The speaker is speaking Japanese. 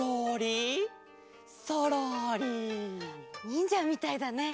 にんじゃみたいだね。